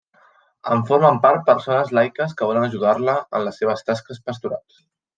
En formen part persones laiques que volen ajudar-la en les seves tasques pastorals.